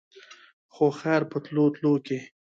خو خېر په تلو تلو کښې